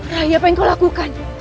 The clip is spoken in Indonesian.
ya apa yang kau lakukan